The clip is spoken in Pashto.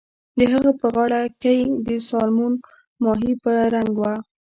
د هغه غاړه کۍ د سالمون ماهي په رنګ وه